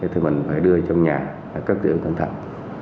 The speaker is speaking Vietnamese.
thì mình phải đưa trong nhà cấp tiểu cẩn thận